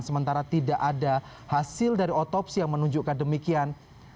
sementara tidak ada hasil dari otopsi yang menunjukkan demikian